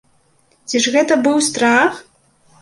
Ці ж гэта быў страх?!